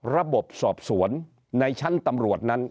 ระบบสอบสวนในชั้นตำรวจนั้น